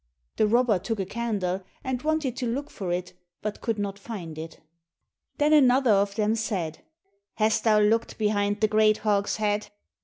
The robber took a candle and wanted to look for it, but could not find it. Then another of them said, "Hast thou looked behind the great hogshead?"